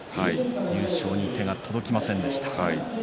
優勝に手が届きませんでした。